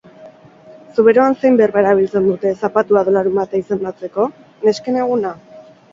Zuberoan zein berba erabiltzen dute zapatua edo larunbata izendatzeko? Nesken eguna?